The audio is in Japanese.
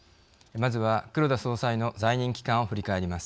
まずは、黒田総裁の在任期間を振り返ります。